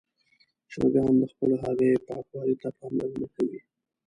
چرګان د خپلو هګیو پاکوالي ته پاملرنه کوي.